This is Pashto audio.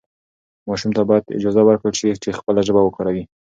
ماشوم ته باید اجازه ورکړل شي چې خپله ژبه وکاروي.